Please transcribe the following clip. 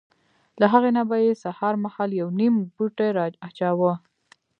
له هغې نه به یې سهار مهال یو نیم پوټی را اچاوه.